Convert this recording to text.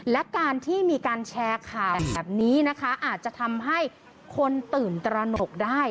และการที่มีการแชร์ข่าวแบบนี้นะคะอาจจะทำให้คนตื่นตระหนกได้